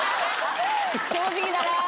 正直だな。